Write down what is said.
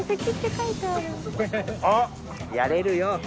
やれるよ。